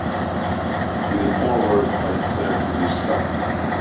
With a Foreword by Sir Peter Scott.